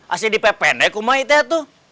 asli dipepenek umay itu